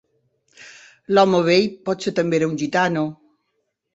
L'home vell potser també era un gitano.